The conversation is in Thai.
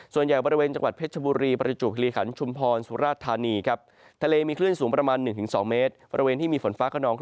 ตกในบริเวณจังหวัดจันทิรย